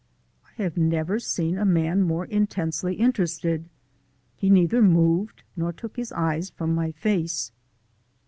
I have never seen a man more intensely interested: he neither moved nor took his eyes from my face.